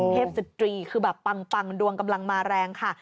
สตรีคือแบบปังดวงกำลังมาแรงค่ะ